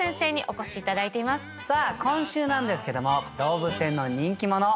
さあ今週なんですけども動物園の人気者